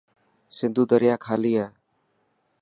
سنڌو دريا خلي هي.